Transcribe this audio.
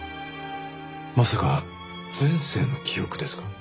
まさか前世の記憶ですか？